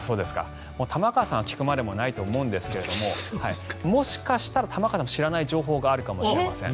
玉川さんは聞くまでもないと思うんですがもしかしたら、玉川さんも知らない情報があるかもしれません。